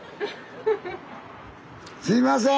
すいません！